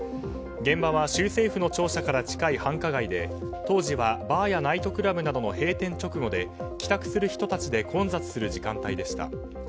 現場は州政府の庁舎から近い繁華街で当時はバーやナイトクラブなどの閉店直後で帰宅する人たちで混雑する時間帯でした。